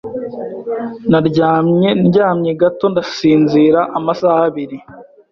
Naryamye ndyamye gato ndasinzira amasaha abiri.